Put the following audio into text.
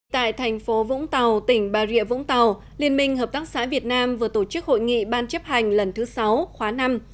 tại thành phố vũng tàu tỉnh bà rịa vũng tàu liên minh hợp tác xã việt nam vừa tổ chức hội nghị ban chấp hành lần thứ sáu khóa năm